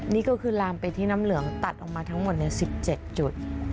นี่ก็คือลามไปที่น้ำเหลืองตัดออกมาทั้งหมด๑๗จุด